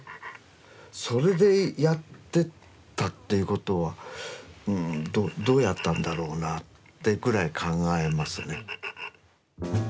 それでやってったっていうことはうんどうやったんだろうなってぐらい考えますね。